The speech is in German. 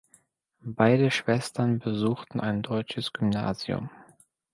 Beide Schwestern besuchten ein deutsches Gymnasium.